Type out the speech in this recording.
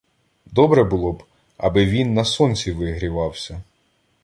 — Добре було б, аби він на сонці вигрівався.